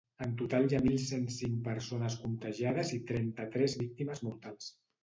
En total hi ha mil cent cinc persones contagiades i trenta-tres víctimes mortals.